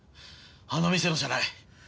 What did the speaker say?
あの店のじゃない。